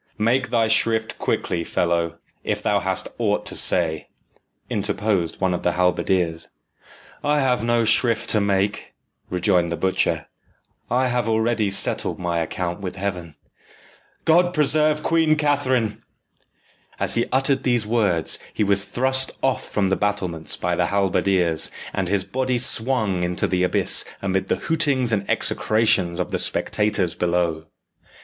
"Make thy shrift quickly, fellow, if thou hast aught to say," interposed one of the halberdiers. "I have no shrift to make," rejoined the butcher. "I have already settled my account with Heaven. God preserve Queen Catherine!" As he uttered these words, he was thrust off from the battlements by the halberdiers, and his body swung into the abyss amid the hootings and execrations of the spectators below.